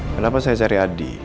kenapa saya cari adi